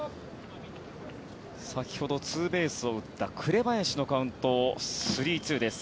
先ほどツーベースを打った紅林のカウント３−２です。